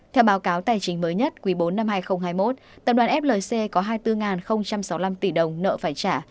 theo báo cáo tài chính mới nhất quý bốn năm hai nghìn hai mươi một tập đoàn flc có hai mươi bốn sáu mươi năm tỷ đồng nợ phải trả